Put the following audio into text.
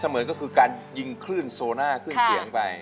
เหมือนก็คือการยิงคลื่นโซน่าคลื่นเสียงไป